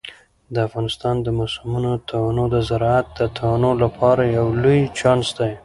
د افغانستان د موسمونو تنوع د زراعت د تنوع لپاره یو لوی چانس دی.